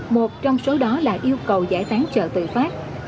một trong số đó là yêu cầu giải tán trợ tự phát